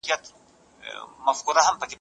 زړه می هر گړی ستا سترگي راته ستایی